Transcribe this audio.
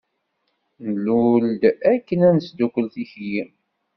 Nlul-d akken ad nesdukkel tikli.